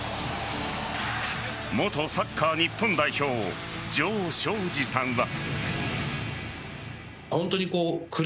元サッカー日本代表城彰二さんは。